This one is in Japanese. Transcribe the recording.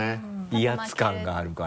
威圧感があるから。